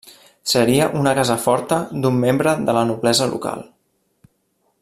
Seria una casa forta d'un membre de la noblesa local.